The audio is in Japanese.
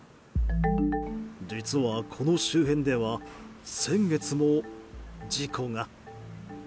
実はこの周辺では先月も事故が。